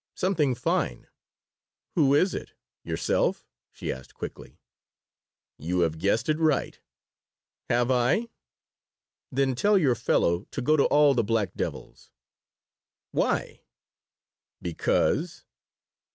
"Something fine." "Who is it yourself?" she asked, quickly "You have guessed it right." "Have I? Then tell your fellow to go to all the black devils." "Why?" "Because."